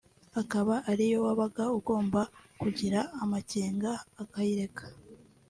akaba ariyo wabaga ugomba kugira amakenga ukayireka